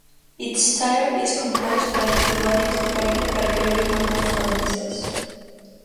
Its style is composed by two bodies divided by very marked cornices.